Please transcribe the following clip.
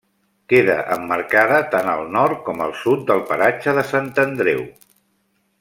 Queda emmarcada tant al nord com al sud pel paratge de Sant Andreu.